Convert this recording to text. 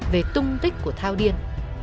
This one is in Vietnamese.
về tung tích của thao điên